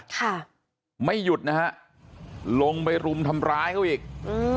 ค่ะไม่หยุดนะฮะลงไปรุมทำร้ายเขาอีกอืม